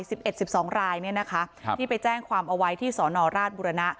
สิบเอ็ดสิบสองรายเนี่ยนะคะครับที่ไปแจ้งความเอาไว้ที่สอนอราชบุรณะ